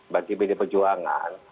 bagi pd perjuangan